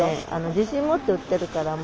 自信持って売ってるから。